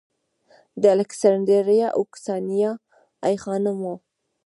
د الکسندریه اوکسیانا ای خانم و